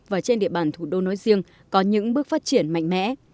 và trên địa bàn thủ đô nói riêng có những bước phát triển mạnh mẽ